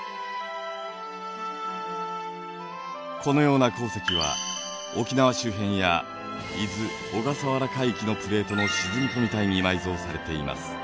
このような鉱石は沖縄周辺や伊豆・小笠原海域のプレートの沈み込み帯に埋蔵されています。